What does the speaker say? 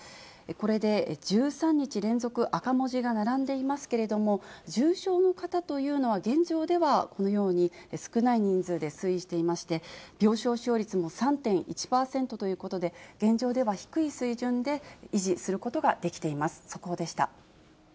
これで１３日連続赤文字が並んでいますけれども、重症の方というのは、現状ではこのように、少ない人数で推移していまして、病床使用率も３．１％ということで、現状では低い水準で維持することができています。